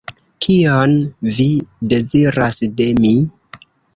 Kion Vi deziras de mi?